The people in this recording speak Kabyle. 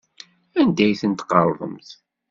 Anda ay ten-tqerḍemt?